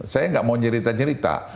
saya nggak mau nyerita cerita